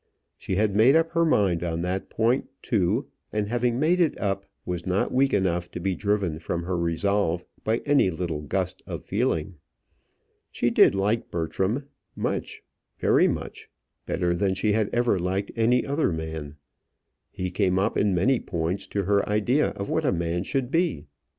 She had made up her mind on that point too, and having made it up was not weak enough to be driven from her resolve by any little gust of feeling. She did like Bertram much, very much, better then she had ever liked any other man. He came up in many points to her idea of what a man should be.